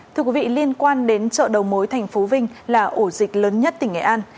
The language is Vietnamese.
thưa quý vị liên quan đến chợ đầu mối thành phố vinh là ổ dịch lớn nhất tỉnh nghệ an